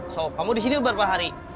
so kamu di sini berapa hari